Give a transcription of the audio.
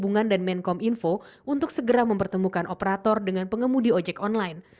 perhubungan dan menkom info untuk segera mempertemukan operator dengan pengemudi ojek online